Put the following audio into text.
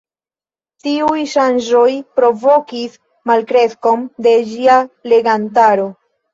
Tiuj ŝanĝoj provokis malkreskon de ĝia legantaro.